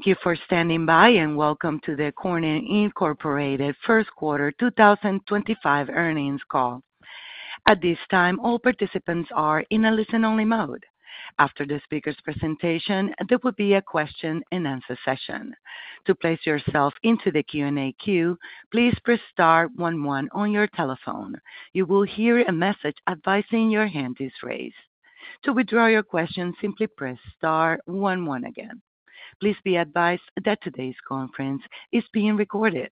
Thank you for standing by and welcome to the Corning Incorporated First Quarter 2025 Earnings Call. At this time, all participants are in a listen-only mode. After the speaker's presentation, there will be a question-and-answer session. To place yourself into the Q&A queue, please press star one one on your telephone. You will hear a message advising your hand is raised. To withdraw your question, simply press star one one again. Please be advised that today's conference is being recorded.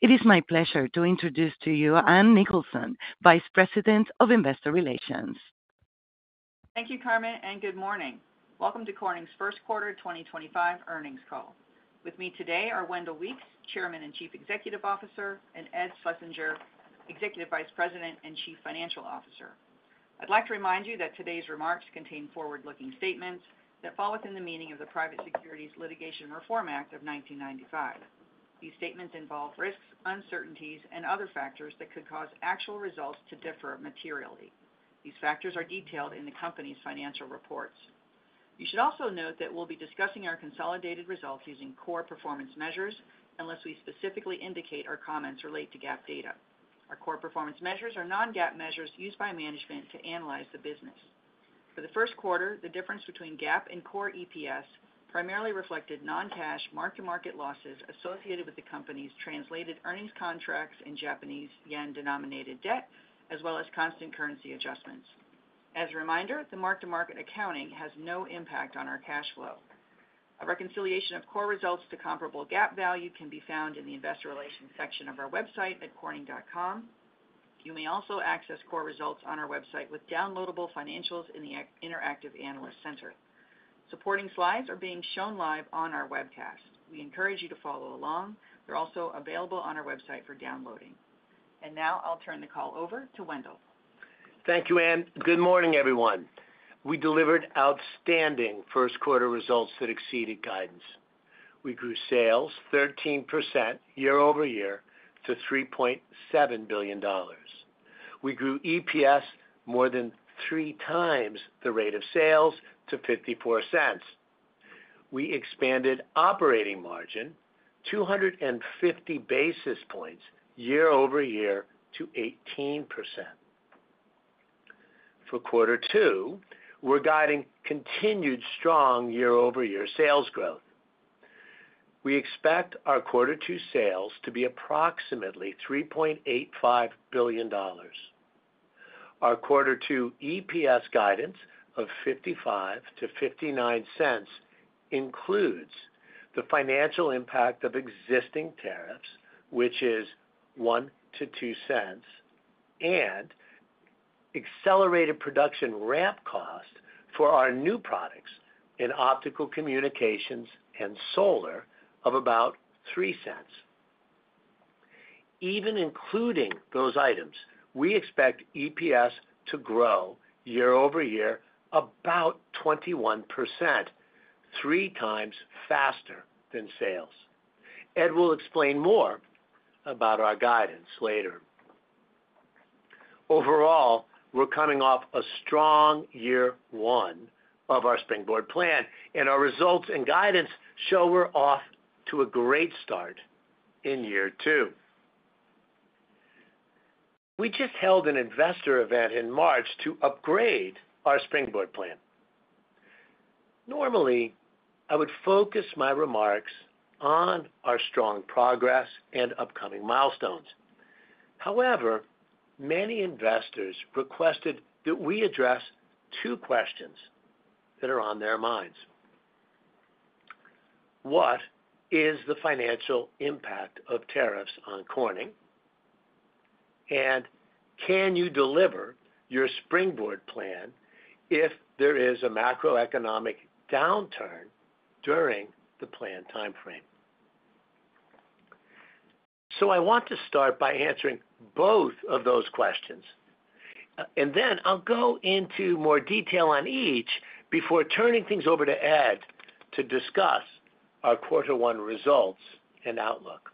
It is my pleasure to introduce to you Ann Nicholson, Vice President of Investor Relations. Thank you, Carmen and good morning. Welcome to Corning's First Quarter 2025 Warnings Call. With me today are Wendell Weeks Chairman and Chief Executive Officer, and Ed Schlesinger Executive Vice President and Chief Financial Officer. I'd like to remind you that today's remarks contain forward-looking statements that fall within the meaning of the Private Securities Litigation Reform Act of 1995. These statements involve risks, uncertainties, and other factors that could cause actual results to differ materially. These factors are detailed in the company's financial reports. You should also note that we'll be discussing our consolidated results using core performance measures unless we specifically indicate our comments relate to GAAP data. Our core performance measures are non-GAAP measures used by management to analyze the business. For the first quarter, the difference between GAAP and core EPS primarily reflected non-cash, mark-to-market losses associated with the company's translated earnings contracts and Japanese yen-denominated debt, as well as constant currency adjustments. As a reminder, the mark-to-market accounting has no impact on our cash flow. A reconciliation of core results to comparable GAAP value can be found in the investor relations section of our website at corning.com. You may also access core results on our website with downloadable financials in the Interactive Analyst Center. Supporting slides are being shown live on our webcast. We encourage you to follow along. They are also available on our website for downloading. Now I will turn the call over to Wendell. Thank you, Ann. Good morning everyone. We delivered outstanding first quarter results that exceeded guidance. We grew sales 13% year-over-year to $3.7 billion. We grew EPS more than three times the rate of sales to $0.54. We expanded operating margin 250 basis points year-over-year to 18%. For Quarter Two, we are guiding continued strong year-over-year sales growth. We expect our Quarter Two sales to be approximately $3.85 billion. Our Quarter Two EPS guidance of $0.55 to $0.59 includes the financial impact of existing tariffs, which is $0.01 to $0.02, and accelerated production ramp cost for our new products in Optical Communications and Solar of about $0.03. Even including those items, we expect EPS to grow year-over-year about 21%, three times faster than sales. Ed will explain more about our guidance later. Overall, we're coming off a strong year one of our springboard plan and our results and guidance show we're off to a great start in year two. We just held an investor event in March to upgrade our springboard plan. Normally, I would focus my remarks on our strong progress and upcoming milestones. However, many investors requested that we address two questions that are on their minds. What is the financial impact of tariffs on Corning? Can you deliver your springboard plan if there is a macroeconomic downturn during the planned timeframe? I want to start by answering both of those questions, and then I'll go into more detail on each before turning things over to Ed to discuss our Quarter One results and outlook.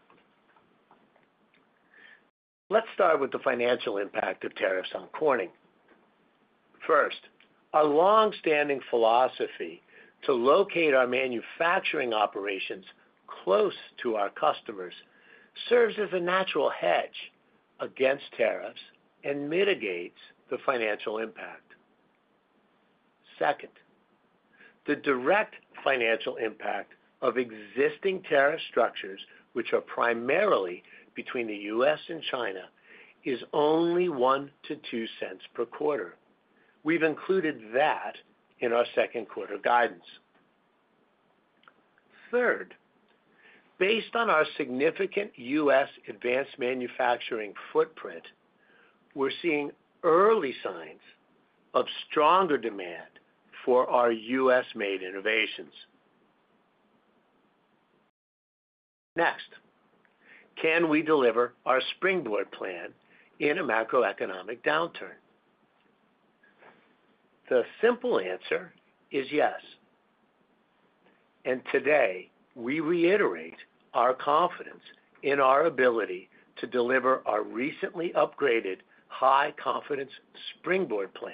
Let's start with the financial impact of tariffs on Corning. First, our longstanding philosophy to locate our manufacturing operations close to our customers serves as a natural hedge against tariffs and mitigates the financial impact. Second, the direct financial impact of existing tariff structures, which are primarily between the U.S. and China, is only $0.01 to $0.02 per quarter. We've included that in our second quarter guidance. Third, based on our significant U.S. advanced manufacturing footprint, we're seeing early signs of stronger demand for our U.S. made innovations. Next, can we deliver our springboard plan in a macroeconomic downturn? The simple answer is yes. Today, we reiterate our confidence in our ability to deliver our recently upgraded high-confidence springboard plan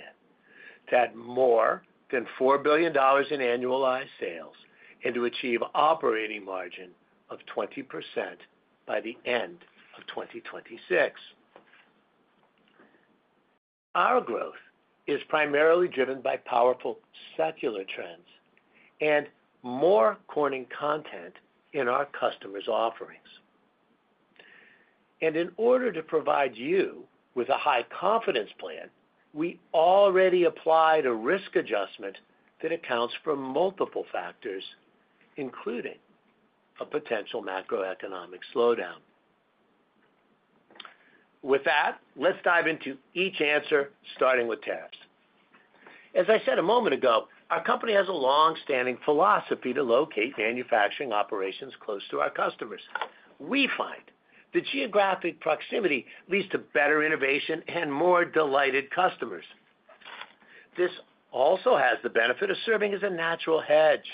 to add more than $4 billion in annualized sales and to achieve an operating margin of 20% by the end of 2026. Our growth is primarily driven by powerful secular trends and more Corning content in our customers' offerings. In order to provide you with a high-confidence plan, we already applied a risk adjustment that accounts for multiple factors, including a potential macroeconomic slowdown. With that, let's dive into each answer, starting with tariffs. As I said a moment ago, our company has a longstanding philosophy to locate manufacturing operations close to our customers. We find that geographic proximity leads to better innovation and more delighted customers. This also has the benefit of serving as a natural hedge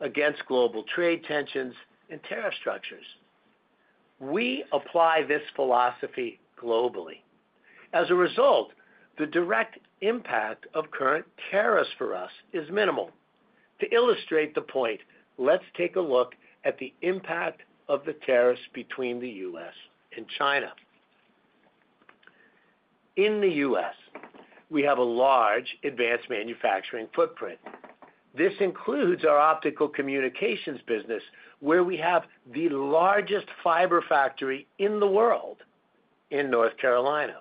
against global trade tensions and tariff structures. We apply this philosophy globally. As a result, the direct impact of current tariffs for us is minimal. To illustrate the point, let's take a look at the impact of the tariffs between the U.S. and China. In the U.S., we have a large advanced manufacturing footprint. This includes our Optical Communications business, where we have the largest fiber factory in the world in North Carolina.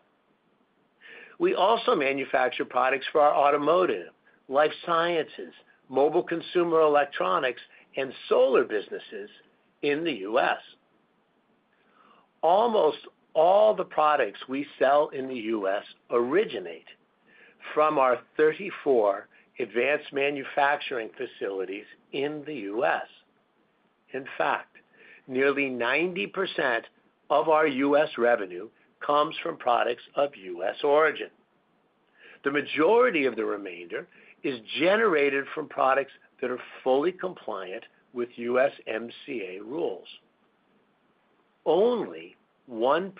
We also manufacture products for our Automotive, Life Sciences, Mobile Consumer Electronics, and Solar businesses in the U.S. Almost all the products we sell in the U.S. originate from our 34 advanced manufacturing facilities in the U.S. In fact, nearly 90% of our U.S. revenue comes from products of U.S. origin. The majority of the remainder is generated from products that are fully compliant with U.S. MCA rules. Only 1%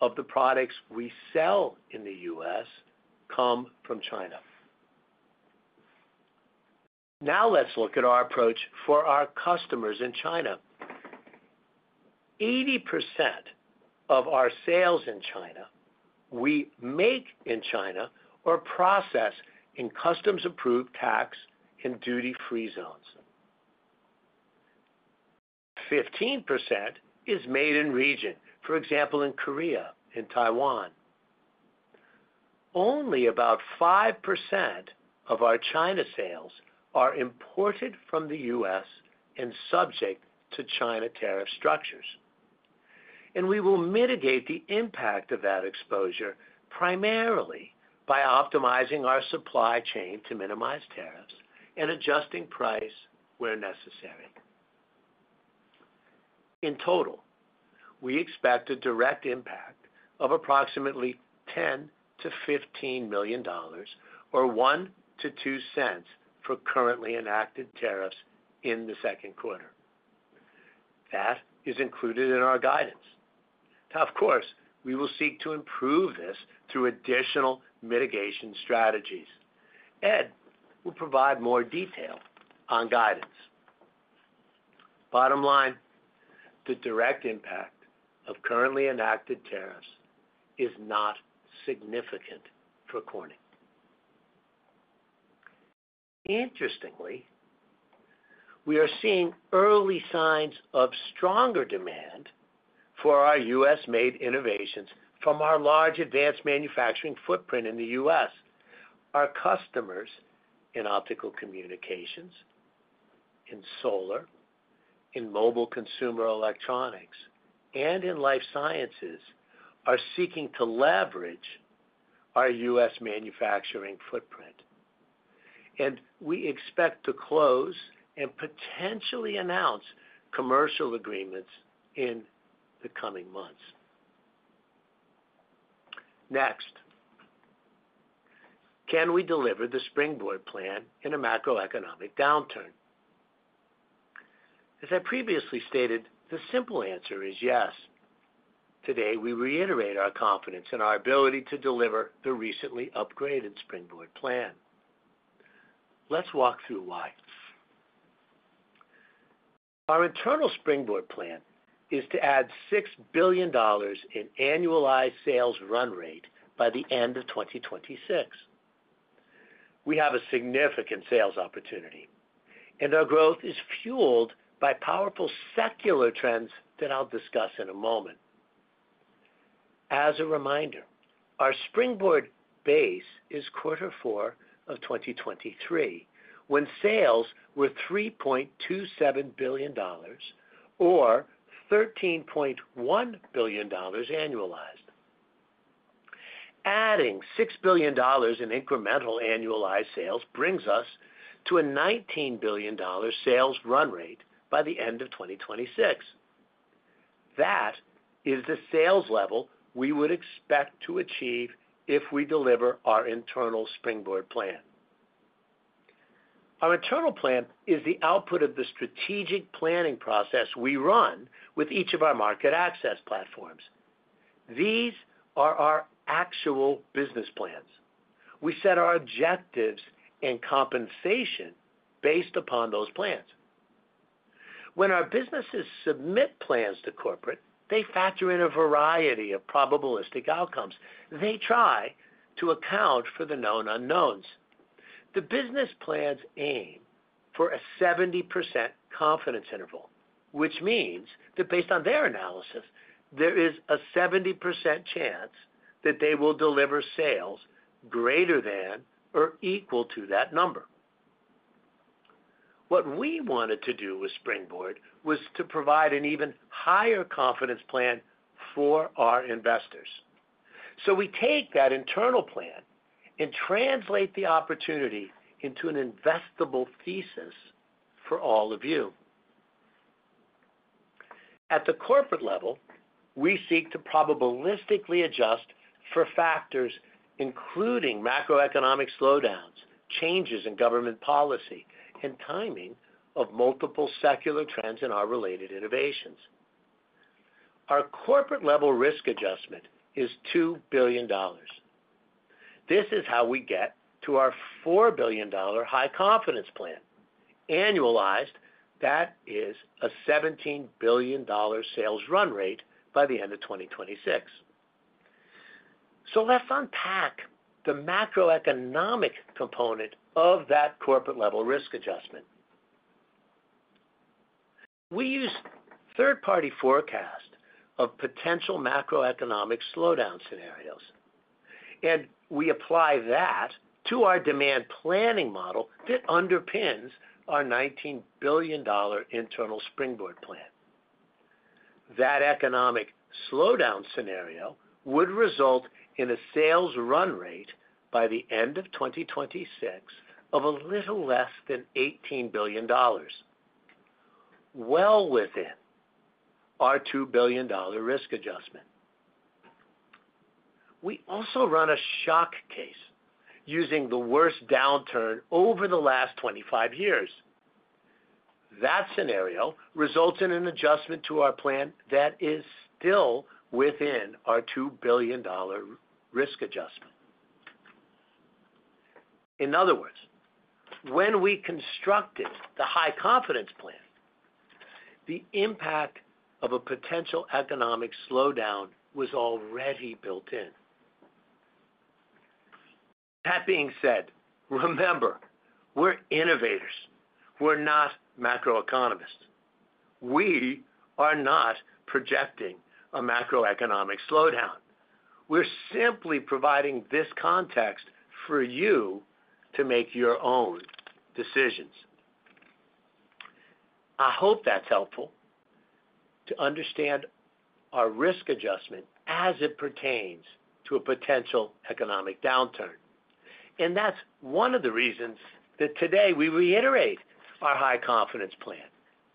of the products we sell in the U.S. come from China. Now let's look at our approach for our customers in China. 80% of our sales in China we make in China or process in customs-approved tax and duty-free zones. 15% is made in region, for example, in Korea and Taiwan. Only about 5% of our China sales are imported from the U.S. and subject to China tariff structures. We will mitigate the impact of that exposure primarily by optimizing our supply chain to minimize tariffs and adjusting price where necessary. In total, we expect a direct impact of approximately $10 to $15 million or $0.01 to $0.02 for currently enacted tariffs in the second quarter. That is included in our guidance. Of course, we will seek to improve this through additional mitigation strategies. Ed will provide more detail on guidance. Bottom line, the direct impact of currently enacted tariffs is not significant for Corning. Interestingly, we are seeing early signs of stronger demand for our U.S. made innovations from our large advanced manufacturing footprint in the U.S. Our customers in Optical Communications, in solar, in mobile consumer electronics, and in life sciences are seeking to leverage our U.S. manufacturing footprint. We expect to close and potentially announce commercial agreements in the coming months. Next, can we deliver the springboard plan in a macroeconomic downturn? As I previously stated, the simple answer is yes. Today, we reiterate our confidence in our ability to deliver the recently upgraded springboard plan. Let's walk through why. Our internal springboard plan is to add $6 billion in annualized sales run rate by the end of 2026. We have a significant sales opportunity, and our growth is fueled by powerful secular trends that I'll discuss in a moment. As a reminder, our springboard base is Quarter Four of 2023, when sales were $3.27 billion or $13.1 billion annualized. Adding $6 billion in incremental annualized sales brings us to a $19 billion sales run rate by the end of 2026. That is the sales level we would expect to achieve if we deliver our internal springboard plan. Our internal plan is the output of the strategic planning process we run with each of our market access platforms. These are our actual business plans. We set our objectives and compensation based upon those plans. When our businesses submit plans to corporate, they factor in a variety of probabilistic outcomes. They try to account for the known unknowns. The business plans aim for a 70% confidence interval, which means that based on their analysis, there is a 70% chance that they will deliver sales greater than or equal to that number. What we wanted to do with springboard was to provide an even higher confidence plan for our investors. We take that internal plan and translate the opportunity into an investable thesis for all of you. At the corporate level, we seek to probabilistically adjust for factors including macroeconomic slowdowns, changes in government policy, and timing of multiple secular trends in our related innovations. Our corporate-level risk adjustment is $2 billion. This is how we get to our $4 billion high-confidence plan. Annualized, that is a $17 billion sales run rate by the end of 2026. Let's unpack the macroeconomic component of that corporate-level risk adjustment. We use third-party forecasts of potential macroeconomic slowdown scenarios, and we apply that to our demand planning model that underpins our $19 billion internal springboard plan. That economic slowdown scenario would result in a sales run rate by the end of 2026 of a little less than $18 billion, well within our $2 billion risk adjustment. We also run a shock case using the worst downturn over the last 25 years. That scenario results in an adjustment to our plan that is still within our $2 billion risk adjustment. In other words, when we constructed the high-confidence plan, the impact of a potential economic slowdown was already built in. That being said, remember, we're innovators. We're not macroeconomists. We are not projecting a macroeconomic slowdown. We're simply providing this context for you to make your own decisions. I hope that's helpful to understand our risk adjustment as it pertains to a potential economic downturn. That is one of the reasons that today we reiterate our high-confidence plan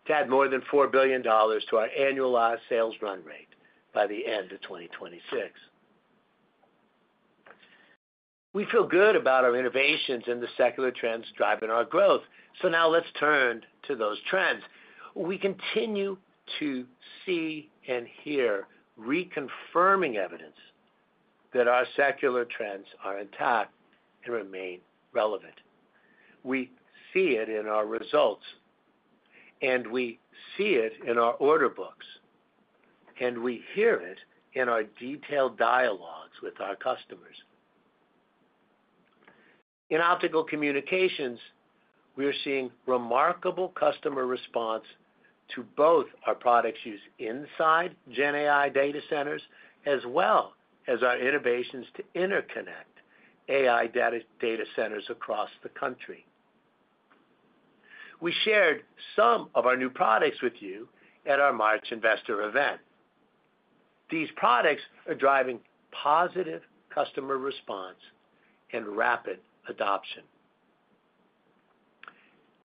to add more than $4 billion to our annualized sales run rate by the end of 2026. We feel good about our innovations and the secular trends driving our growth. Now let's turn to those trends. We continue to see and hear reconfirming evidence that our secular trends are intact and remain relevant. We see it in our results, and we see it in our order books, and we hear it in our detailed dialogues with our customers. In Optical Communications, we are seeing remarkable customer response to both our products used inside GenAI data centers as well as our innovations to interconnect AI data centers across the country. We shared some of our new products with you at our March Investor Event. These products are driving positive customer response and rapid adoption.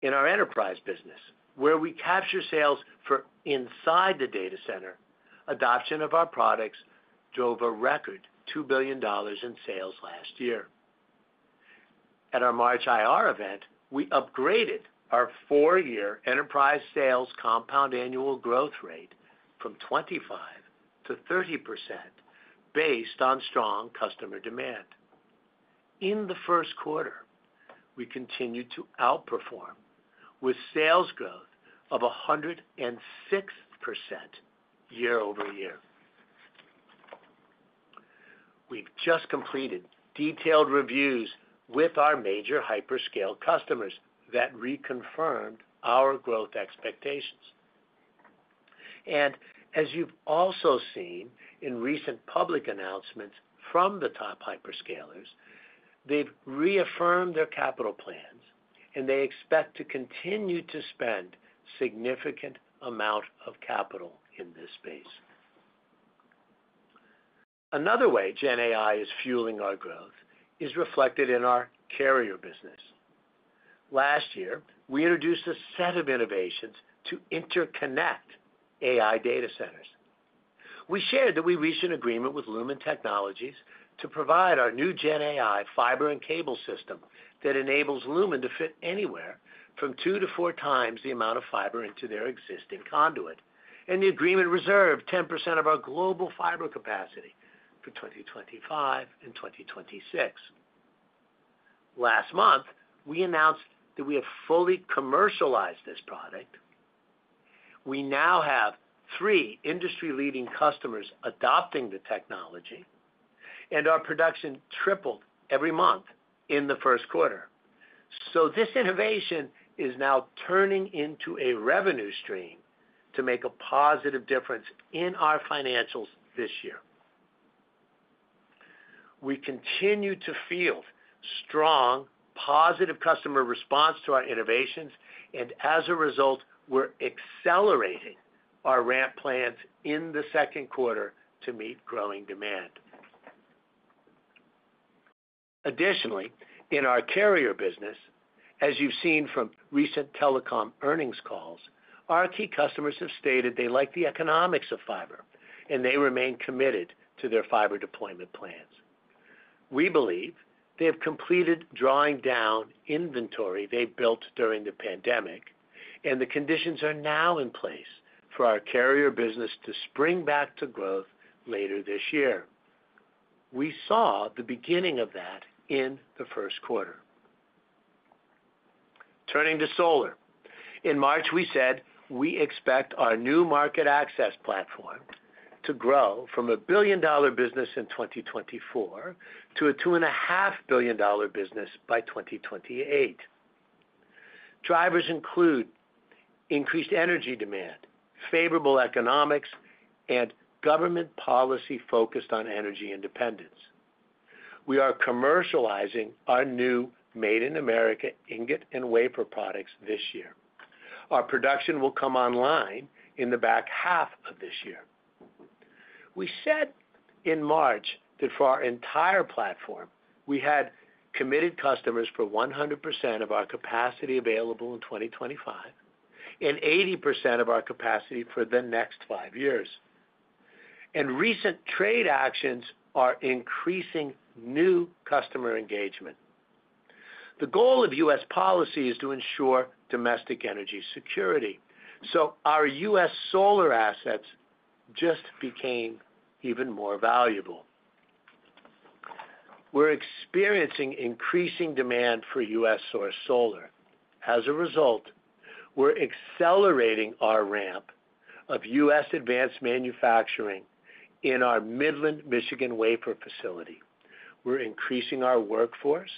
In our enterprise business, where we capture sales for inside the data center, adoption of our products drove a record $2 billion in sales last year. At our March IR Event, we upgraded our four-year enterprise sales compound annual growth rate from 25% to 30% based on strong customer demand. In the first quarter, we continued to outperform with sales growth of 106% year-over-year. We've just completed detailed reviews with our major hyperscale customers that reconfirmed our growth expectations. As you've also seen in recent public announcements from the top hyperscalers, they've reaffirmed their capital plans, and they expect to continue to spend a significant amount of capital in this space. Another way GenAI is fueling our growth is reflected in our carrier business. Last year, we introduced a set of innovations to interconnect AI data centers. We shared that we reached an agreement with Lumen Technologies to provide our new GenAI fiber and cable system that enables Lumen to fit anywhere from two to four times the amount of fiber into their existing conduit. The agreement reserved 10% of our global fiber capacity for 2025 and 2026. Last month, we announced that we have fully commercialized this product. We now have three industry-leading customers adopting the technology, and our production tripled every month in the first quarter. This innovation is now turning into a revenue stream to make a positive difference in our financials this year. We continue to field strong, positive customer response to our innovations, and as a result, we are accelerating our ramp plans in the second quarter to meet growing demand. Additionally, in our carrier business, as you have seen from recent telecom earnings calls, our key customers have stated they like the economics of fiber, and they remain committed to their fiber deployment plans. We believe they have completed drawing down inventory they built during the pandemic, and the conditions are now in place for our carrier business to spring back to growth later this year. We saw the beginning of that in the first quarter. Turning to solar, in March, we said we expect our new market access platform to grow from a $1 billion business in 2024 to a $2.5 billion business by 2028. Drivers include increased energy demand, favorable economics, and government policy focused on energy independence. We are commercializing our new Made in America ingot and wafer products this year. Our production will come online in the back half of this year. We said in March that for our entire platform, we had committed customers for 100% of our capacity available in 2025 and 80% of our capacity for the next five years. Recent trade actions are increasing new customer engagement. The goal of U.S. policy is to ensure domestic energy security. Our U.S. solar assets just became even more valuable. We're experiencing increasing demand for U.S. source solar. As a result, we're accelerating our ramp of U.S. Advanced manufacturing in our Midland, Michigan wafer facility. We're increasing our workforce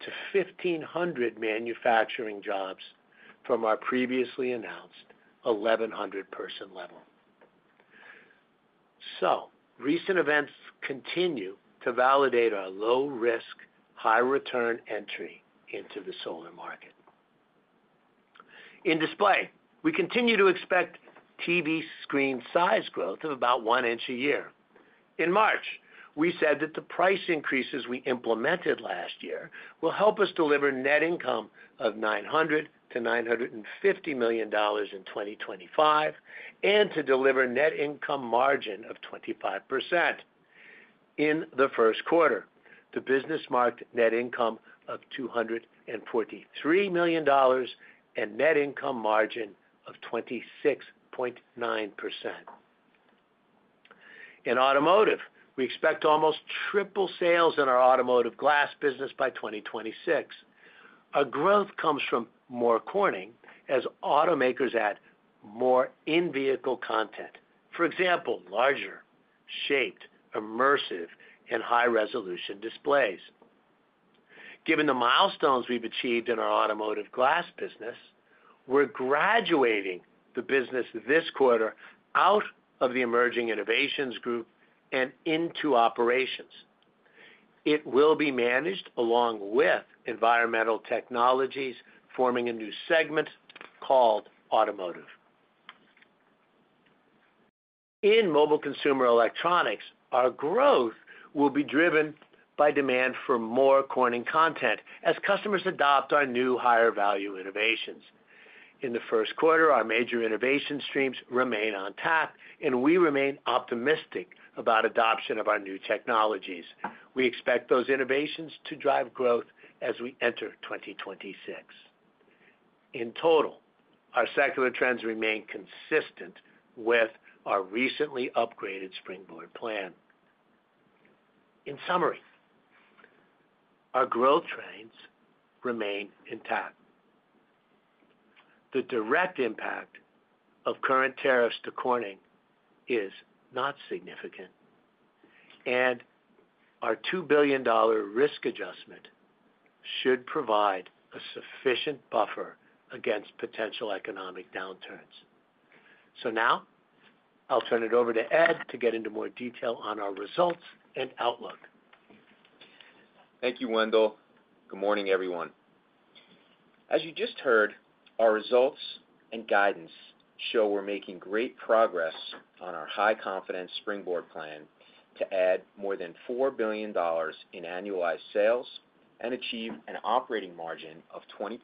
to 1,500 manufacturing jobs from our previously announced 1,100-person level. Recent events continue to validate our low-risk, high-return entry into the solar market. In display, we continue to expect TV screen size growth of about 1 inch a year. In March, we said that the price increases we implemented last year will help us deliver net income of $900 to $950 million in 2025 and to deliver net income margin of 25%. In the first quarter, the business marked net income of $243 million and net income margin of 26.9%. In Automotive, we expect almost triple sales in our Automotive glass business by 2026. Our growth comes from more Corning as automakers add more in-vehicle content, for example, larger, shaped, immersive, and high-resolution displays. Given the milestones we've achieved in our Automotive glass business, we're graduating the business this quarter out of the emerging innovations group and into operations. It will be managed along with Environmental Technologies forming a new segment called Automotive. In mobile consumer electronics, our growth will be driven by demand for more Corning content as customers adopt our new higher-value innovations. In the first quarter, our major innovation streams remain untapped, and we remain optimistic about adoption of our new technologies. We expect those innovations to drive growth as we enter 2026. In total, our secular trends remain consistent with our recently upgraded springboard plan. In summary, our growth trends remain intact. The direct impact of current tariffs to Corning is not significant, and our $2 billion risk adjustment should provide a sufficient buffer against potential economic downturns. Now, I'll turn it over to Ed to get into more detail on our results and outlook. Thank you, Wendell. Good morning, everyone. As you just heard, our results and guidance show we are making great progress on our high-confidence springboard plan to add more than $4 billion in annualized sales and achieve an operating margin of 20%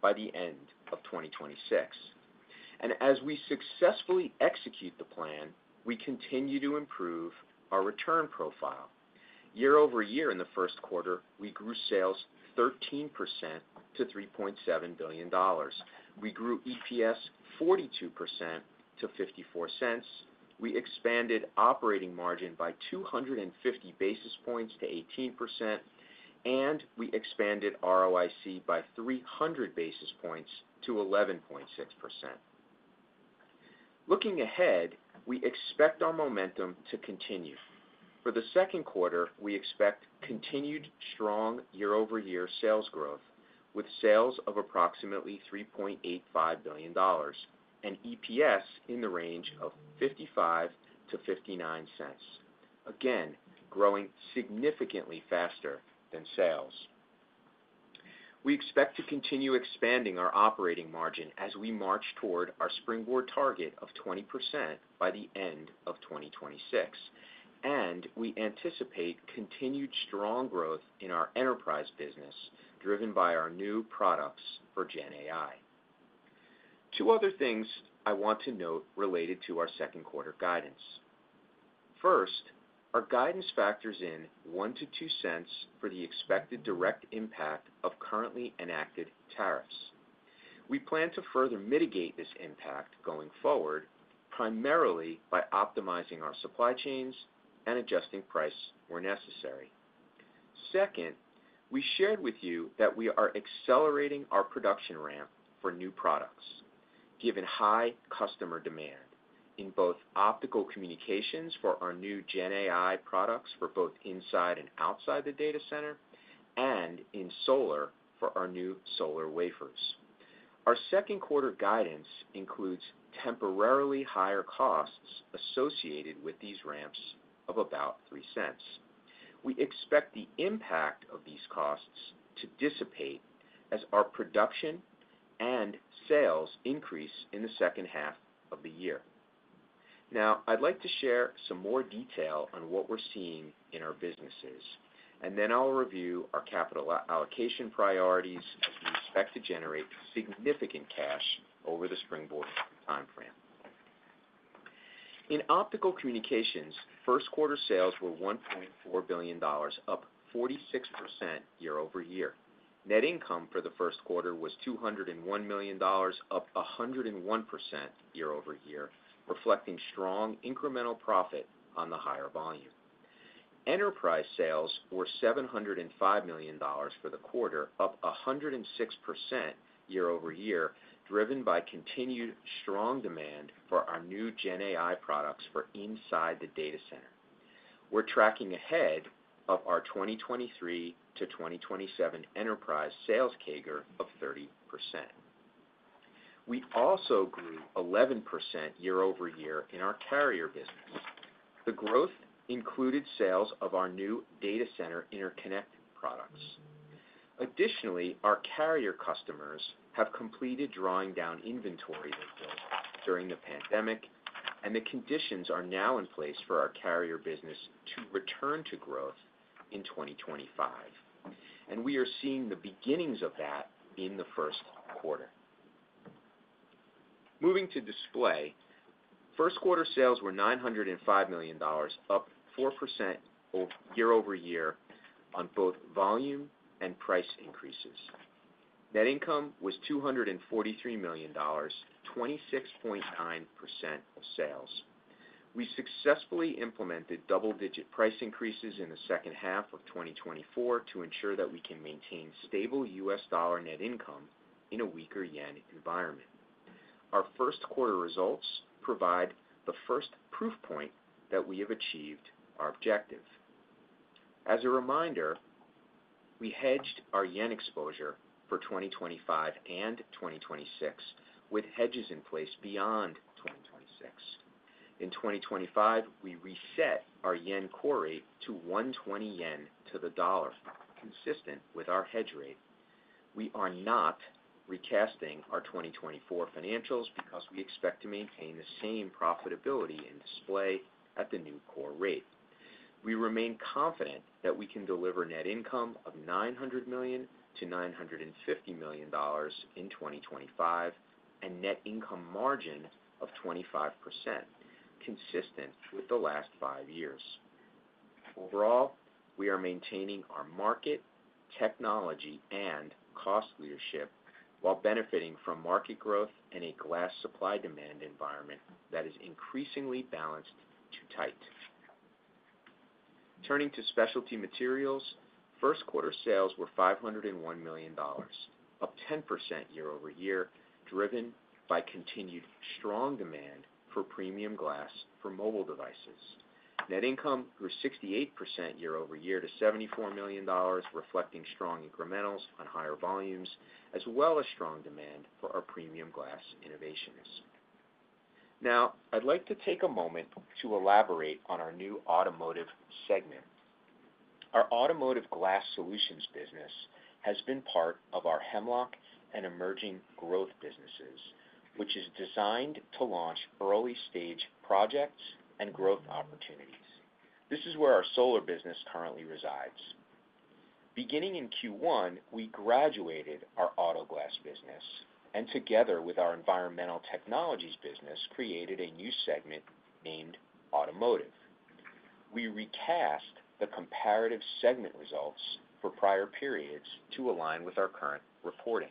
by the end of 2026. As we successfully execute the plan, we continue to improve our return profile. Year-over-year, in the first quarter, we grew sales 13% to $3.7 billion. We grew EPS 42% to $0.54. We expanded operating margin by 250 basis points to 18%, and we expanded ROIC by 300 basis points to 11.6%. Looking ahead, we expect our momentum to continue. For the second quarter, we expect continued strong year-over-year sales growth with sales of approximately $3.85 billion and EPS in the range of $0.55 to $0.59, again growing significantly faster than sales. We expect to continue expanding our operating margin as we march toward our springboard target of 20% by the end of 2026, and we anticipate continued strong growth in our enterprise business driven by our new products for GenAI. Two other things I want to note related to our second quarter guidance. First, our guidance factors in $0.01 to $0.02 for the expected direct impact of currently enacted tariffs. We plan to further mitigate this impact going forward primarily by optimizing our supply chains and adjusting price where necessary. Second, we shared with you that we are accelerating our production ramp for new products given high customer demand in both Optical Communications for our new GenAI products for both inside and outside the data center and in solar for our new solar wafers. Our second quarter guidance includes temporarily higher costs associated with these ramps of about $0.03. We expect the impact of these costs to dissipate as our production and sales increase in the second half of the year. Now, I'd like to share some more detail on what we're seeing in our businesses, and then I'll review our capital allocation priorities as we expect to generate significant cash over the springboard timeframe. In Optical Communications, first quarter sales were $1.4 billion up 46% year-over-year. Net income for the first quarter was $201 million up 101% year-over-year reflecting strong incremental profit on the higher volume. Enterprise sales were $705 million for the quarter up 106% year-over-year, driven by continued strong demand for our new GenAI products for inside the data center. We're tracking ahead of our 2023 to 2027 enterprise sales CAGR of 30%. We also grew 11% year-over-year in our carrier business. The growth included sales of our new data center interconnect products. Additionally, our carrier customers have completed drawing down inventory during the pandemic, and the conditions are now in place for our carrier business to return to growth in 2025. We are seeing the beginnings of that in the first quarter. Moving to display, first quarter sales were $905 million up 4% year-over-year on both volume and price increases. Net income was $243 million, 26.9% of sales. We successfully implemented double-digit price increases in the second half of 2024 to ensure that we can maintain stable U.S. dollar net income in a weaker yen environment. Our first quarter results provide the first proof point that we have achieved our objective. As a reminder, we hedged our yen exposure for 2025 and 2026 with hedges in place beyond 2026. In 2025, we reset our yen core rate to 120 yen to the dollar, consistent with our hedge rate. We are not recasting our 2024 financials because we expect to maintain the same profitability in display at the new core rate. We remain confident that we can deliver net income of $900 million to $950 million in 2025 and net income margin of 25%, consistent with the last five years. Overall, we are maintaining our market, technology, and cost leadership while benefiting from market growth and a glass supply demand environment that is increasingly balanced to tight. Turning to specialty materials, first quarter sales were $501 million, up 10% year-over-year, driven by continued strong demand for premium glass for mobile devices. Net income grew 68% year-over-year to $74 million, reflecting strong incrementals on higher volumes, as well as strong demand for our premium glass innovations. Now, I'd like to take a moment to elaborate on our new Automotive segment. Our Automotive glass solutions business has been part of our Hemlock and emerging growth businesses, which is designed to launch early-stage projects and growth opportunities. This is where our solar business currently resides. Beginning in Q1, we graduated our auto glass business and together with our Environmental Technologies business, created a new segment named Automotive. We recast the comparative segment results for prior periods to align with our current reporting.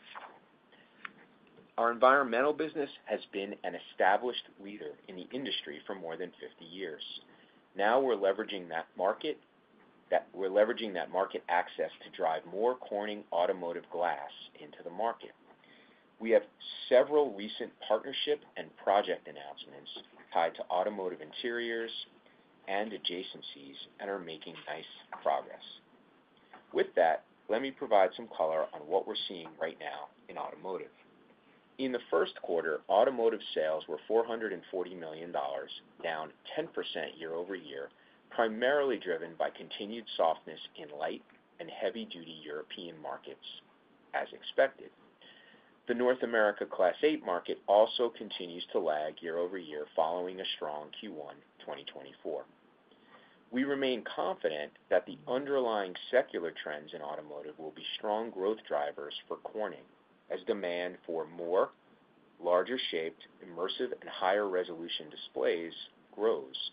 Our Environmental Business has been an established leader in the industry for more than 50 years. Now we're leveraging that market access to drive more Corning Automotive glass into the market. We have several recent partnership and project announcements tied to Automotive interiors and adjacencies and are making nice progress. With that, let me provide some color on what we're seeing right now in Automotive. In the first quarter, Automotive sales were $440 million, down 10% year-over-year, primarily driven by continued softness in light and heavy-duty European markets, as expected. The North America Class 8 market also continues to lag year-over-year following a strong Q1 2024. We remain confident that the underlying secular trends in Automotive will be strong growth drivers for Corning as demand for more larger-shaped, immersive, and higher-resolution displays grows.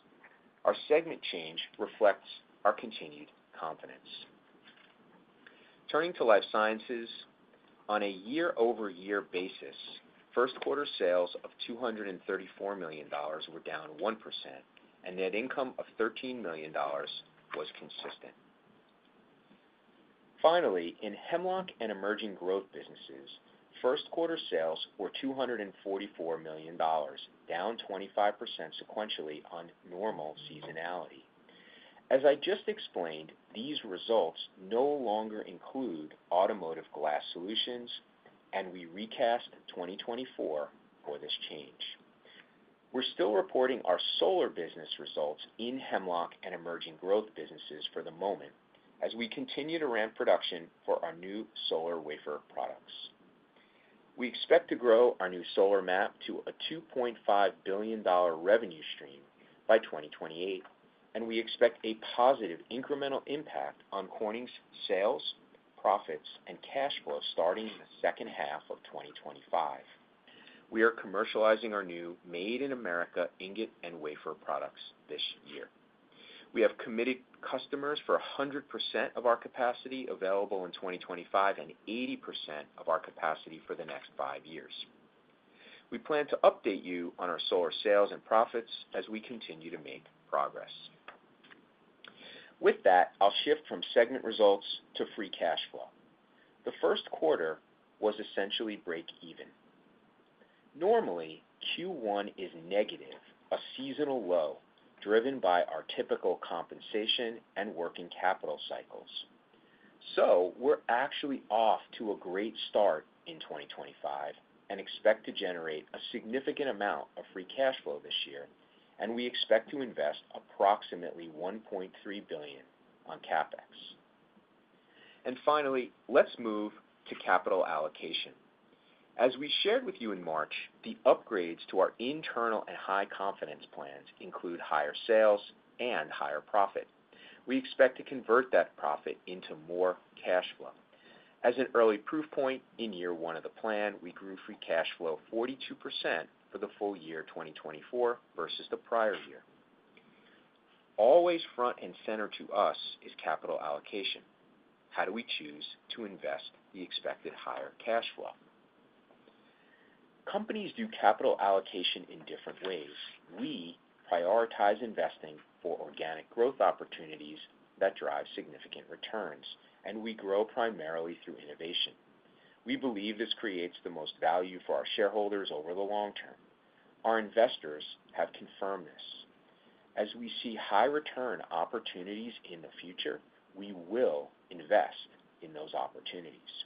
Our segment change reflects our continued confidence. Turning to life sciences, on a year-over-year basis, first quarter sales of $234 million were down 1%, and net income of $13 million was consistent. Finally, in Hemlock and emerging growth businesses, first quarter sales were $244 million, down 25% sequentially on normal seasonality. As I just explained, these results no longer include Automotive glass solutions, and we recast 2024 for this change. We're still reporting our solar business results in Hemlock and emerging growth businesses for the moment as we continue to ramp production for our new solar wafer products. We expect to grow our new solar map to a $2.5 billion revenue stream by 2028, and we expect a positive incremental impact on Corning's sales, profits, and cash flow starting in the second half of 2025. We are commercializing our new made-in-America ingot and wafer products this year. We have committed customers for 100% of our capacity available in 2025 and 80% of our capacity for the next five years. We plan to update you on our solar sales and profits as we continue to make progress. With that, I'll shift from segment results to free cash flow. The first quarter was essentially break-even. Normally, Q1 is negative, a seasonal low driven by our typical compensation and working capital cycles. We're actually off to a great start in 2025 and expect to generate a significant amount of free cash flow this year, and we expect to invest approximately $1.3 billion on CapEx. Finally, let's move to capital allocation. As we shared with you in March, the upgrades to our internal and high confidence plans include higher sales and higher profit. We expect to convert that profit into more cash flow. As an early proof point in year one of the plan, we grew free cash flow 42% for the full year 2024 versus the prior year. Always front and center to us is capital allocation. How do we choose to invest the expected higher cash flow? Companies do capital allocation in different ways. We prioritize investing for organic growth opportunities that drive significant returns, and we grow primarily through innovation. We believe this creates the most value for our shareholders over the long term. Our investors have confirmed this. As we see high return opportunities in the future, we will invest in those opportunities.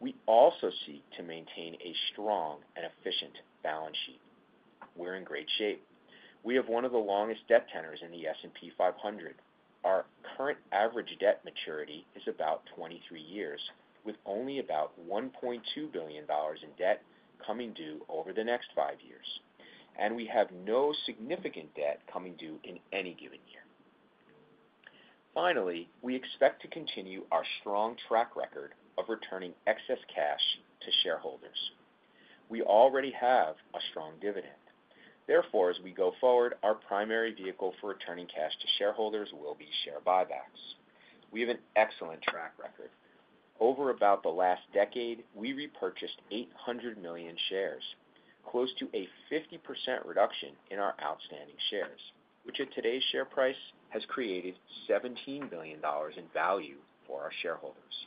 We also seek to maintain a strong and efficient balance sheet. We're in great shape. We have one of the longest debt tenors in the S&P 500. Our current average debt maturity is about 23 years, with only about $1.2 billion in debt coming due over the next five years, and we have no significant debt coming due in any given year. Finally, we expect to continue our strong track record of returning excess cash to shareholders. We already have a strong dividend. Therefore, as we go forward, our primary vehicle for returning cash to shareholders will be share buybacks. We have an excellent track record. Over about the last decade, we repurchased 800 million shares, close to a 50% reduction in our outstanding shares, which at today's share price has created $17 billion in value for our shareholders.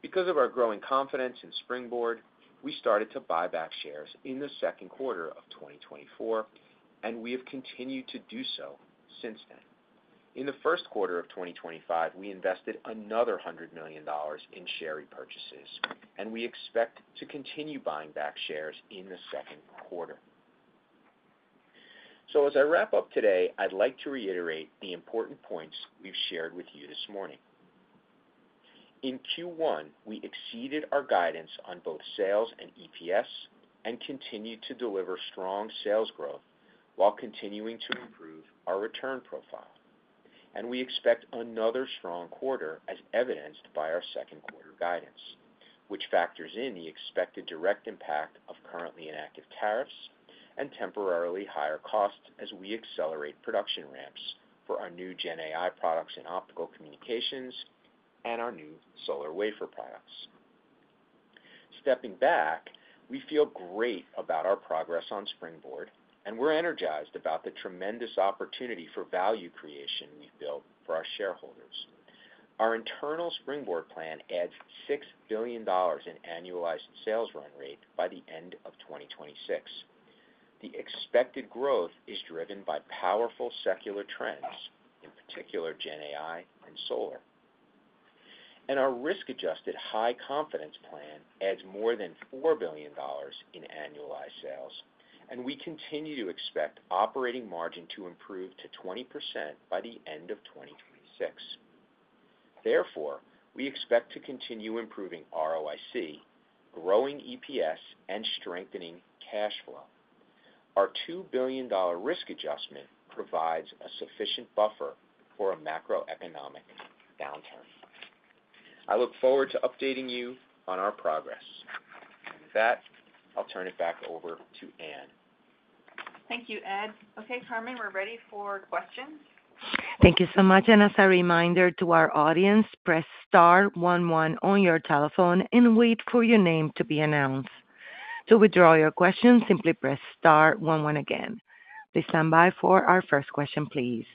Because of our growing confidence in Springboard, we started to buy back shares in the second quarter of 2024, and we have continued to do so since then. In the first quarter of 2025, we invested another $100 million in share repurchases, and we expect to continue buying back shares in the second quarter. As I wrap up today, I'd like to reiterate the important points we've shared with you this morning. In Q1, we exceeded our guidance on both sales and EPS and continued to deliver strong sales growth while continuing to improve our return profile. We expect another strong quarter, as evidenced by our second quarter guidance, which factors in the expected direct impact of currently inactive tariffs and temporarily higher costs as we accelerate production ramps for our new GenAI products in Optical Communications and our new solar wafer products. Stepping back, we feel great about our progress on Springboard, and we're energized about the tremendous opportunity for value creation we've built for our shareholders. Our internal Springboard plan adds $6 billion in annualized sales run rate by the end of 2026. The expected growth is driven by powerful secular trends, in particular GenAI and solar. Our risk-adjusted high confidence plan adds more than $4 billion in annualized sales, and we continue to expect operating margin to improve to 20% by the end of 2026. Therefore, we expect to continue improving ROIC, growing EPS, and strengthening cash flow. Our $2 billion risk adjustment provides a sufficient buffer for a macroeconomic downturn. I look forward to updating you on our progress. With that, I'll turn it back over to Ann. Thank you, Ed. Okay, Carmen, we're ready for questions. Thank you so much. As a reminder to our audience, press star 11 on your telephone and wait for your name to be announced. To withdraw your question, simply press star 11 again. Please stand by for our first question, please.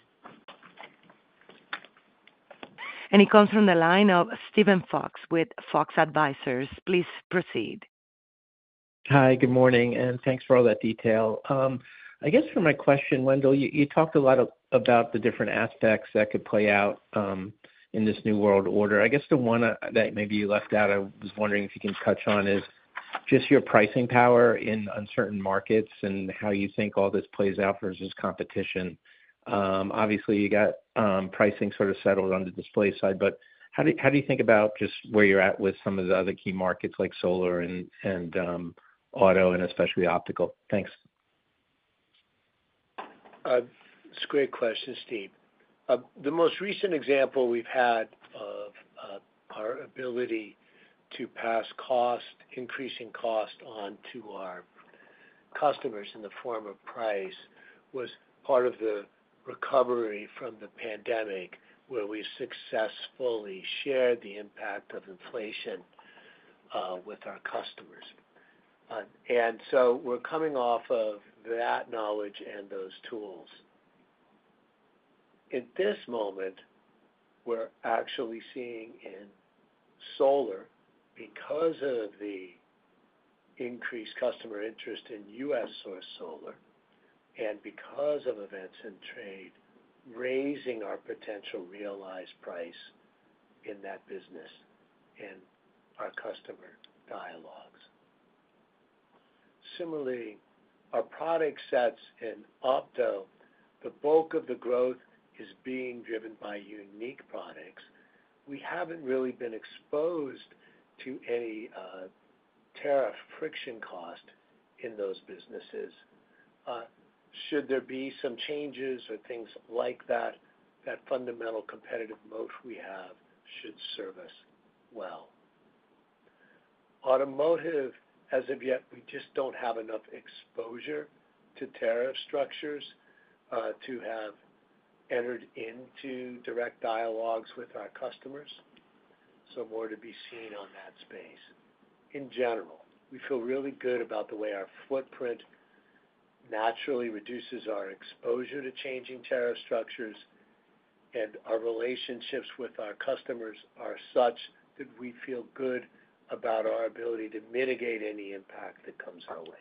It comes from the line of Steven Fox with Fox Advisors. Please proceed. Hi, good morning, and thanks for all that detail. I guess for my question, Wendell, you talked a lot about the different aspects that could play out in this new world order. I guess the one that maybe you left out, I was wondering if you can touch on, is just your pricing power in uncertain markets and how you think all this plays out versus competition. Obviously, you got pricing sort of settled on the display side, but how do you think about just where you're at with some of the other key markets like Solar and Auto and especially Optical? Thanks. It's a great question, Steve. The most recent example we've had of our ability to pass cost, increasing cost onto our customers in the form of price, was part of the recovery from the pandemic where we successfully shared the impact of inflation with our customers. We are coming off of that knowledge and those tools. At this moment, we're actually seeing in solar, because of the increased customer interest in U.S. Source solar and because of events in trade, raising our potential realized price in that business and our customer dialogues. Similarly, our product sets in opto, the bulk of the growth is being driven by unique products. We have not really been exposed to any tariff friction cost in those businesses. Should there be some changes or things like that, that fundamental competitive moat we have should serve us well. Automotive, as of yet, we just do not have enough exposure to tariff structures to have entered into direct dialogues with our customers. More to be seen on that space. In general, we feel really good about the way our footprint naturally reduces our exposure to changing tariff structures, and our relationships with our customers are such that we feel good about our ability to mitigate any impact that comes our way.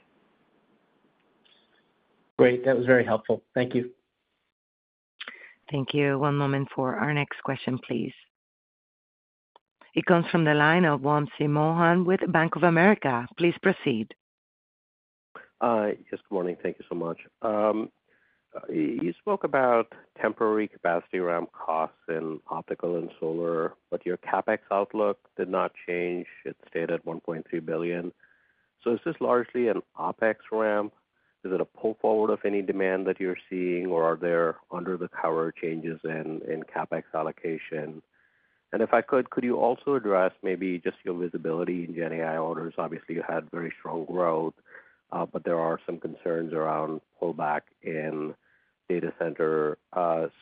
Great. That was very helpful. Thank you. Thank you. One moment for our next question, please. It comes from the line of Wamsi Mohan with Bank of America. Please proceed. Yes, good morning. Thank you so much. You spoke about temporary capacity ramp costs in Optical and solar, but your CapEx outlook did not change. It stayed at $1.3 billion. Is this largely an OpEx ramp? Is it a pull forward of any demand that you're seeing, or are there under-the-cover changes in CapEx allocation? If I could, could you also address maybe just your visibility in GenAI orders? Obviously, you had very strong growth, but there are some concerns around pullback in data center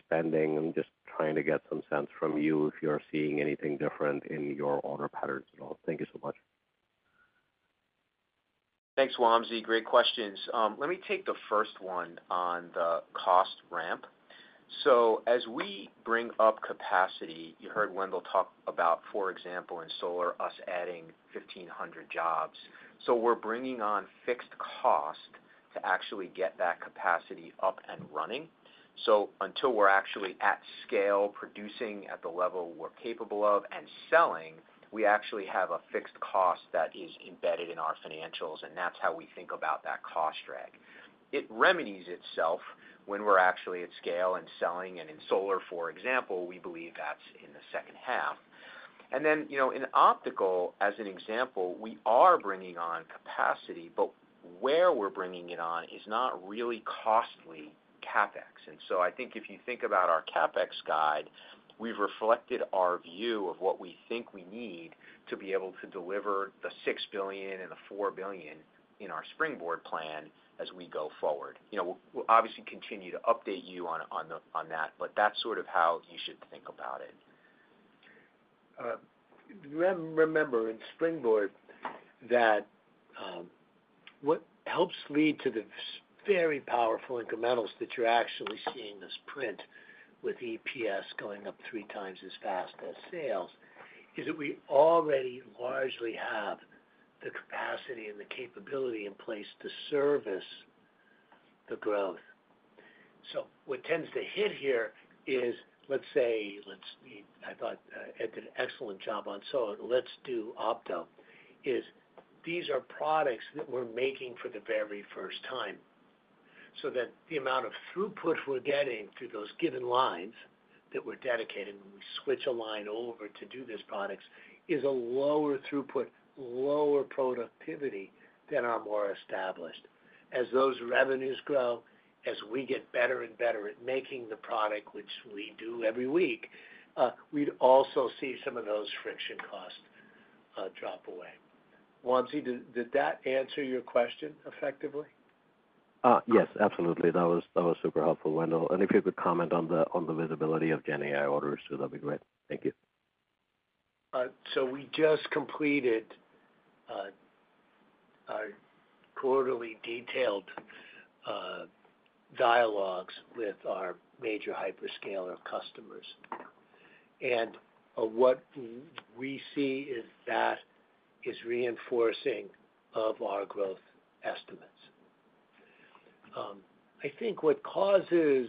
spending. I'm just trying to get some sense from you if you're seeing anything different in your order patterns at all. Thank you so much. Thanks, Wamsi. Great questions. Let me take the first one on the cost ramp. As we bring up capacity, you heard Wendell talk about, for example, in solar, us adding 1,500 jobs. We are bringing on fixed cost to actually get that capacity up and running. Until we are actually at scale, producing at the level we are capable of and selling, we actually have a fixed cost that is embedded in our financials, and that is how we think about that cost drag. It remedies itself when we are actually at scale and selling. In solar, for example, we believe that is in the second half. In Optical, as an example, we are bringing on capacity, but where we are bringing it on is not really costly CapEx. I think if you think about our CapEx guide, we've reflected our view of what we think we need to be able to deliver the $6 billion and the $4 billion in our Springboard plan as we go forward. We'll obviously continue to update you on that, but that's sort of how you should think about it. Remember in Springboard that what helps lead to the very powerful incrementals that you're actually seeing this print with EPS going up three times as fast as sales is that we already largely have the capacity and the capability in place to service the growth. What tends to hit here is, let's say, I thought Ed did an excellent job on solar. Let's do opto, is these are products that we're making for the very first time. That the amount of throughput we're getting through those given lines that we're dedicating when we switch a line over to do these products is a lower throughput, lower productivity than our more established. As those revenues grow, as we get better and better at making the product, which we do every week, we'd also see some of those friction costs drop away. Wamsi, did that answer your question effectively? Yes, absolutely. That was super helpful, Wendell. If you could comment on the visibility of GenAI orders, too, that'd be great. Thank you. We just completed our quarterly detailed dialogues with our major hyperscaler customers. What we see is that is reinforcing of our growth estimates. I think what causes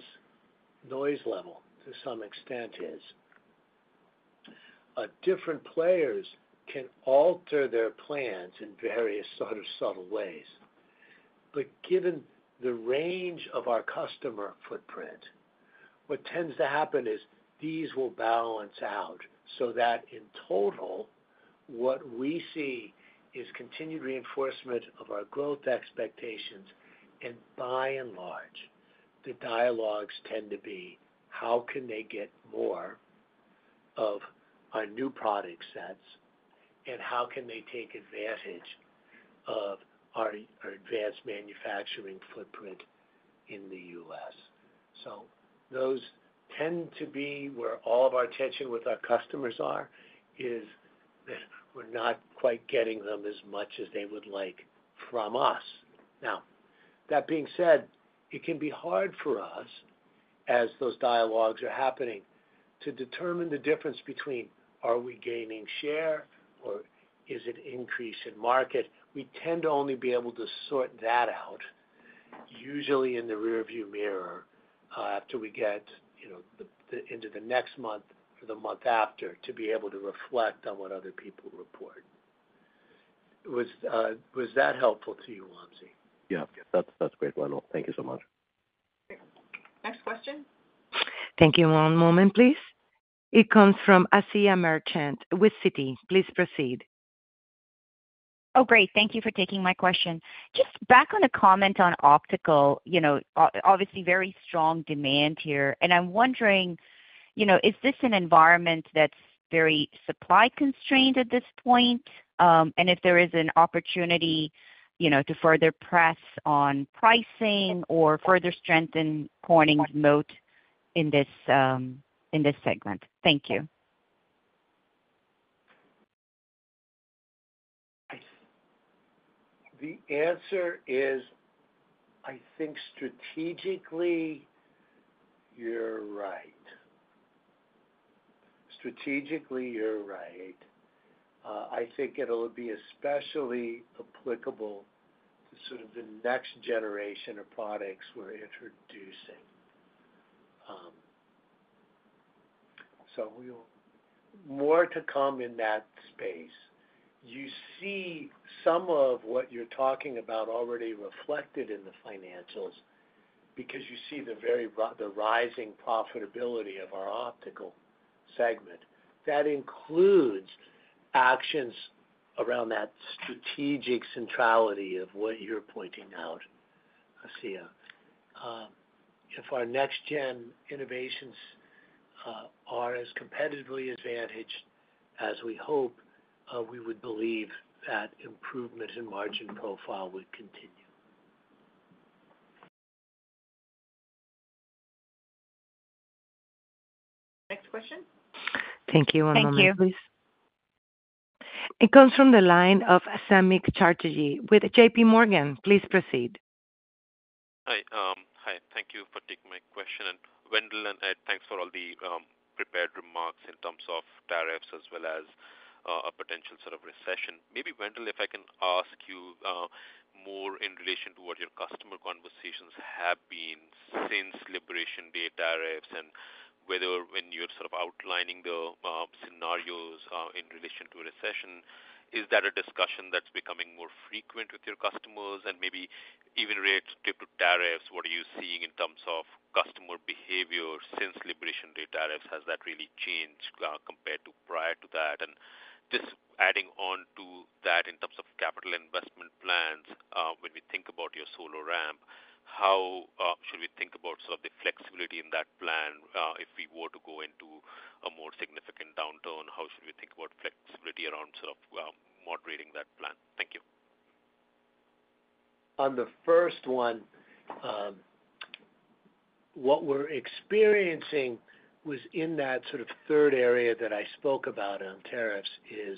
noise level to some extent is different players can alter their plans in various sort of subtle ways. Given the range of our customer footprint, what tends to happen is these will balance out so that in total, what we see is continued reinforcement of our growth expectations. By and large, the dialogues tend to be how can they get more of our new product sets and how can they take advantage of our advanced manufacturing footprint in the U.S. Those tend to be where all of our tension with our customers is that we're not quite getting them as much as they would like from us. That being said, it can be hard for us, as those dialogues are happening, to determine the difference between are we gaining share or is it increase in market. We tend to only be able to sort that out, usually in the rearview mirror after we get into the next month or the month after to be able to reflect on what other people report. Was that helpful to you, Wamsi? Yeah. That's great, Wendell. Thank you so much. Next question. Thank you. One moment, please. It comes from Asiya Merchant with Citi. Please proceed. Oh, great. Thank you for taking my question. Just back on the comment on Optical, obviously very strong demand here. I'm wondering, is this an environment that's very supply constrained at this point? If there is an opportunity to further press on pricing or further strengthen Corning's moat in this segment? Thank you. The answer is, I think strategically you're right. Strategically you're right. I think it'll be especially applicable to sort of the next generation of products we're introducing. More to come in that space. You see some of what you're talking about already reflected in the financials because you see the rising profitability of our Optical segment that includes actions around that strategic centrality of what you're pointing out, Asiya. If our next-gen innovations are as competitively advantaged as we hope, we would believe that improvement in margin profile would continue. Next question. Thank you. One moment, please. It comes from the line of Samik Chatterjee with JPMorgan. Please proceed. Hi. Hi. Thank you for taking my question. Wendell and Ed, thanks for all the prepared remarks in terms of tariffs as well as a potential sort of recession. Maybe, Wendell, if I can ask you more in relation to what your customer conversations have been since Liberation Day tariffs and whether when you're sort of outlining the scenarios in relation to recession, is that a discussion that's becoming more frequent with your customers? Maybe even related to tariffs, what are you seeing in terms of customer behavior since Liberation Day tariffs? Has that really changed compared to prior to that? Just adding on to that in terms of capital investment plans, when we think about your solar ramp, how should we think about sort of the flexibility in that plan if we were to go into a more significant downturn? How should we think about flexibility around sort of moderating that plan? Thank you. On the first one, what we're experiencing was in that sort of third area that I spoke about on tariffs is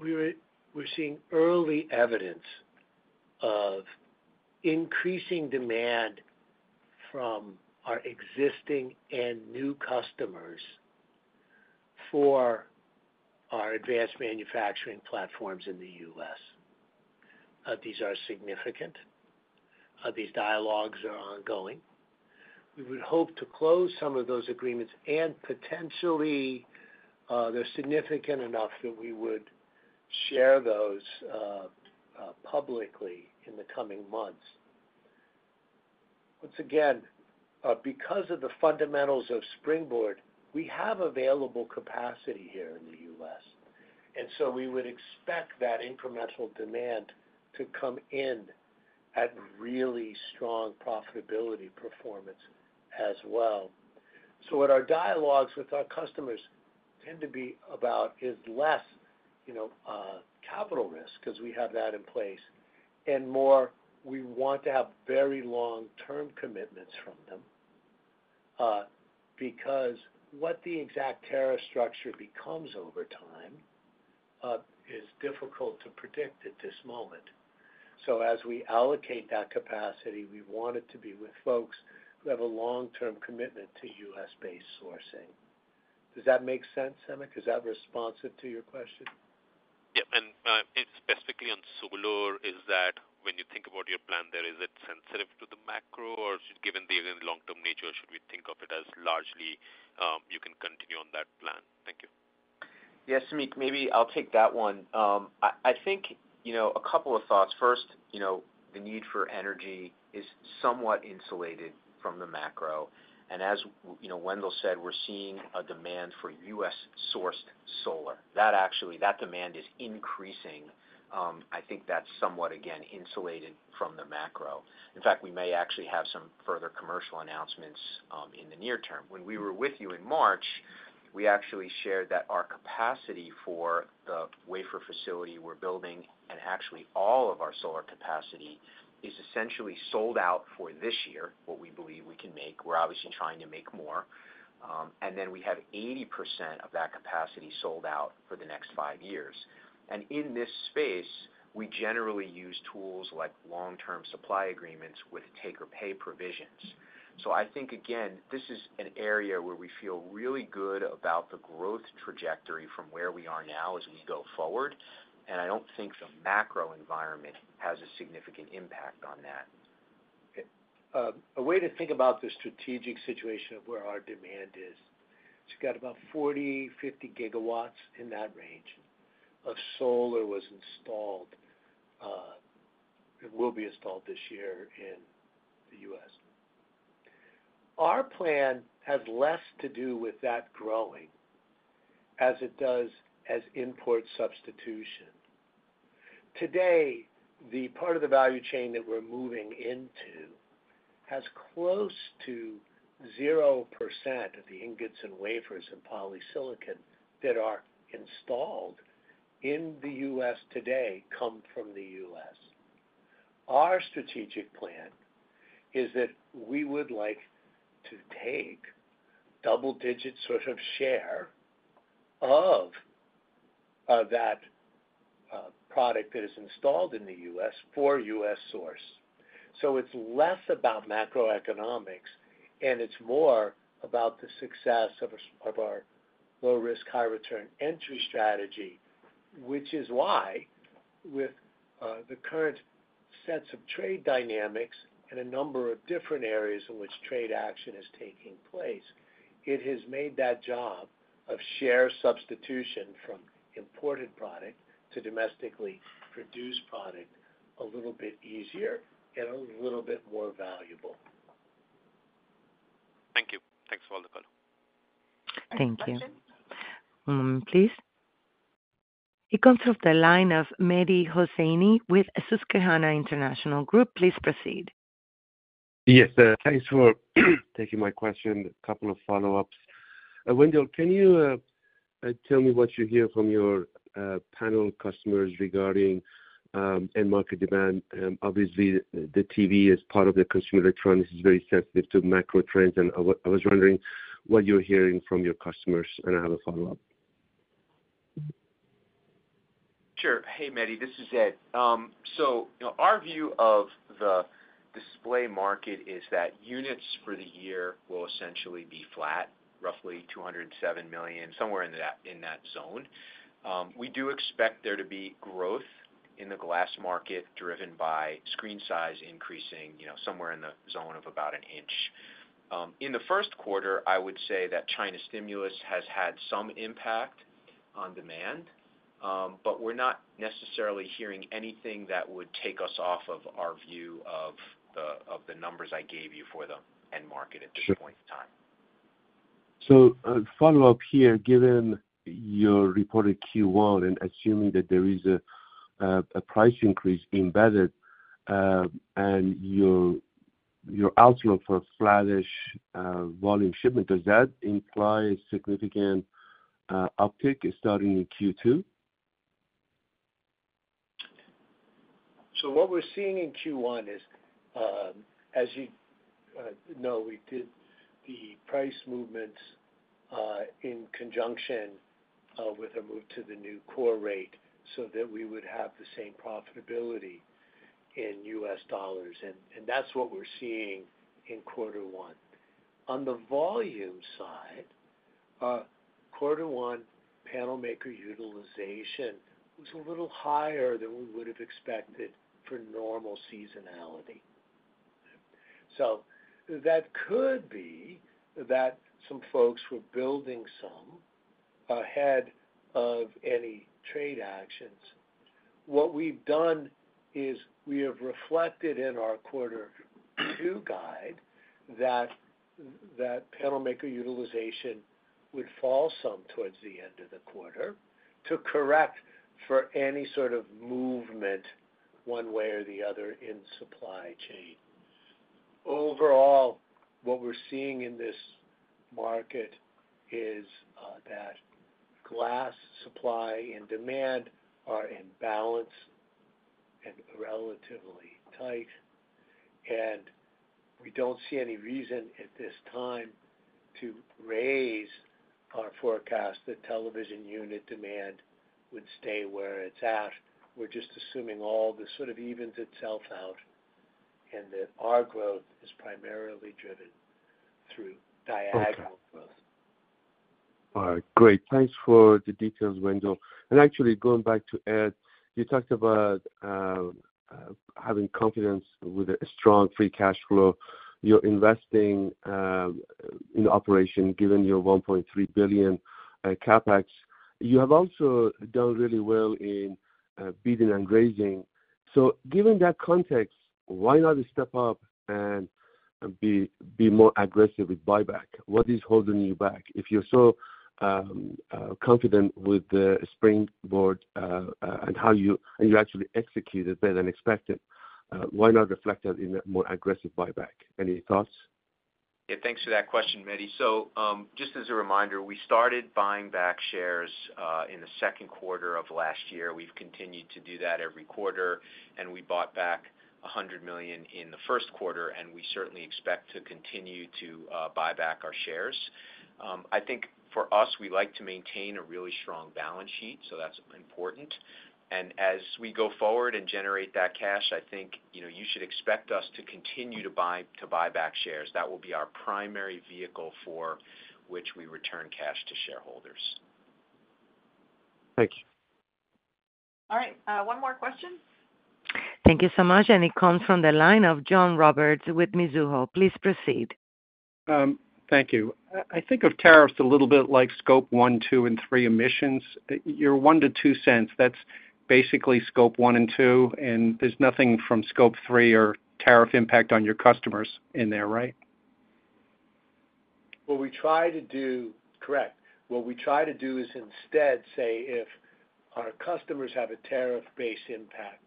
we're seeing early evidence of increasing demand from our existing and new customers for our advanced manufacturing platforms in the U.S. These are significant. These dialogues are ongoing. We would hope to close some of those agreements and potentially they're significant enough that we would share those publicly in the coming months. Once again, because of the fundamentals of Springboard, we have available capacity here in the U.S. and so we would expect that incremental demand to come in at really strong profitability performance as well. What our dialogues with our customers tend to be about is less capital risk because we have that in place and more we want to have very long-term commitments from them because what the exact tariff structure becomes over time is difficult to predict at this moment. As we allocate that capacity, we want it to be with folks who have a long-term commitment to U.S.-based sourcing. Does that make sense, Samik? Is that responsive to your question? Yeah. Specifically on Solar, when you think about your plan, is it sensitive to the macro or given the long-term nature, should we think of it as largely you can continue on that plan? Thank you. Yes, Samik. Maybe I'll take that one. I think a couple of thoughts. First, the need for energy is somewhat insulated from the macro. As Wendell said, we're seeing a demand for U.S. sourced solar. That demand is increasing. I think that's somewhat, again, insulated from the macro. In fact, we may actually have some further commercial announcements in the near term. When we were with you in March, we actually shared that our capacity for the wafer facility we're building and actually all of our solar capacity is essentially sold out for this year, what we believe we can make. We're obviously trying to make more. We have 80% of that capacity sold out for the next five years. In this space, we generally use tools like long-term supply agreements with take-or-pay provisions. I think, again, this is an area where we feel really good about the growth trajectory from where we are now as we go forward. I don't think the macro environment has a significant impact on that. A way to think about the strategic situation of where our demand is, it's got about 40-50 GW in that range of solar was installed and will be installed this year in the U.S. Our plan has less to do with that growing as it does as import substitution. Today, the part of the value chain that we're moving into has close to 0% of the ingots and wafers and polysilicon that are installed in the U.S. today come from the U.S. Our strategic plan is that we would like to take double-digit sort of share of that product that is installed in the U.S. for U.S. source. It is less about macroeconomics and it is more about the success of our low-risk, high-return entry strategy, which is why with the current sets of trade dynamics and a number of different areas in which trade action is taking place, it has made that job of share substitution from imported product to domestically produced product a little bit easier and a little bit more valuable. Thank you. Thanks for all the call. Thank you. Next question, please. It comes from the line of Mehdi Hosseini with Susquehanna International Group. Please proceed. Yes. Thanks for taking my question. A couple of follow-ups. Wendell, can you tell me what you hear from your panel customers regarding end market demand? Obviously, the TV is part of the consumer electronics, is very sensitive to macro trends. I was wondering what you are hearing from your customers, and I have a follow-up. Sure. Hey, Mehdi. This is Ed. Our view of the display market is that units for the year will essentially be flat, roughly 207 million, somewhere in that zone. We do expect there to be growth in the glass market driven by screen size increasing somewhere in the zone of about an inch. In the first quarter, I would say that China stimulus has had some impact on demand, but we're not necessarily hearing anything that would take us off of our view of the numbers I gave you for the end market at this point in time. Sure. A follow-up here, given your reported Q1 and assuming that there is a price increase embedded and your outlook for flattish volume shipment, does that imply a significant uptick starting in Q2? What we're seeing in Q1 is, as you know, we did the price movements in conjunction with a move to the new core rate so that we would have the same profitability in U.S. dollars. That's what we're seeing in quarter one. On the volume side, quarter one panel maker utilization was a little higher than we would have expected for normal seasonality. That could be that some folks were building some ahead of any trade actions. What we've done is we have reflected in our quarter two guide that panel maker utilization would fall some towards the end of the quarter to correct for any sort of movement one way or the other in supply chain. Overall, what we're seeing in this market is that glass supply and demand are in balance and relatively tight. We do not see any reason at this time to raise our forecast that television unit demand would stay where it is at. We are just assuming all this sort of evens itself out and that our growth is primarily driven through diagonal growth. All right. Great. Thanks for the details, Wendell. Actually, going back to Ed, you talked about having confidence with a strong free cash flow. You are investing in operation given your $1.3 billion CapEx. You have also done really well in beating and grazing. Given that context, why not step up and be more aggressive with buyback? What is holding you back? If you are so confident with Springboard and how you actually executed better than expected, why not reflect that in a more aggressive buyback? Any thoughts? Yeah. Thanks for that question, Mehdi. Just as a reminder, we started buying back shares in the second quarter of last year. We have continued to do that every quarter. We bought back $100 million in the first quarter. We certainly expect to continue to buy back our shares. I think for us, we like to maintain a really strong balance sheet. That is important. As we go forward and generate that cash, I think you should expect us to continue to buy back shares. That will be our primary vehicle for which we return cash to shareholders. Thank you. All right. One more question. Thank you so much. It comes from the line of John Roberts with Mizuho. Please proceed. Thank you. I think of tariffs a little bit like Scope 1, 2, and 3 emissions. Your one to two cents, that is basically Scope 1 and 2. There is nothing from scope three or tariff impact on your customers in there, right? What we try to do—correct. What we try to do is instead say if our customers have a tariff-based impact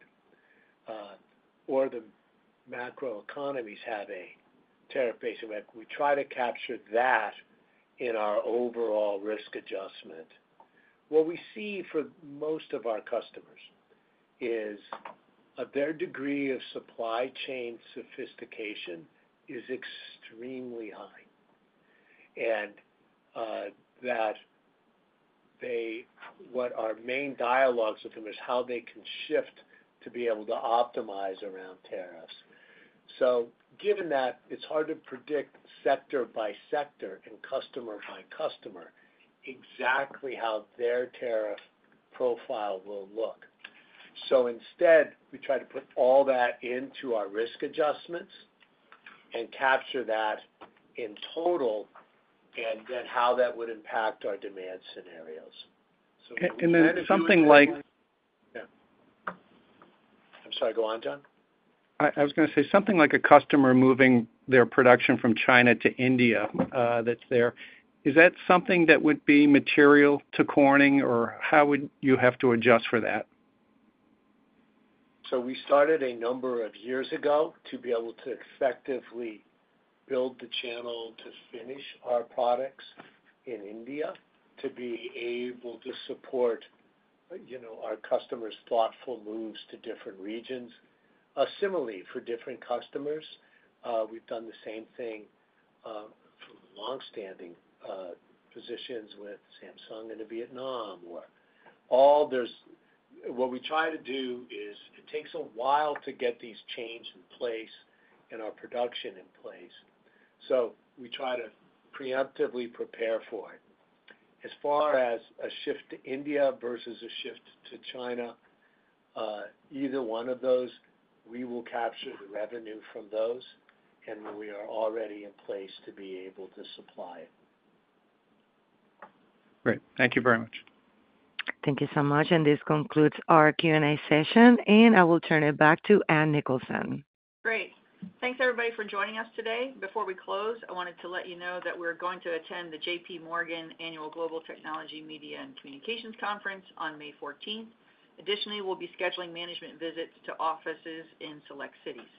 or the macro economies have a tariff-based impact, we try to capture that in our overall risk adjustment. What we see for most of our customers is their degree of supply chain sophistication is extremely high. What our main dialogue with them is how they can shift to be able to optimize around tariffs. Given that, it is hard to predict sector by sector and customer by customer exactly how their tariff profile will look. Instead, we try to put all that into our risk adjustments and capture that in total and then how that would impact our demand scenarios. Then something like— yeah. I'm sorry. Go on, John. I was going to say something like a customer moving their production from China to India that's there. Is that something that would be material to Corning or how would you have to adjust for that? We started a number of years ago to be able to effectively build the channel to finish our products in India to be able to support our customers' thoughtful moves to different regions. Similarly, for different customers, we've done the same thing for long-standing positions with Samsung in Vietnam. What we try to do is it takes a while to get these chains in place and our production in place. We try to preemptively prepare for it. As far as a shift to India versus a shift to China, either one of those, we will capture the revenue from those and we are already in place to be able to supply it. Great. Thank you very much. Thank you so much. This concludes our Q&A session. I will turn it back to Ann Nicholson. Great. Thanks, everybody, for joining us today. Before we close, I wanted to let you know that we're going to attend the JPMorgan Annual Global Technology Media and Communications Conference on May 14th. Additionally, we'll be scheduling management visits to offices in select cities.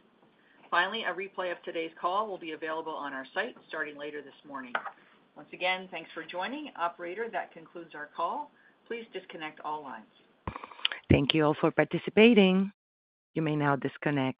Finally, a replay of today's call will be available on our site starting later this morning. Once again, thanks for joining. Operator, that concludes our call. Please disconnect all lines. Thank you all for participating. You may now disconnect.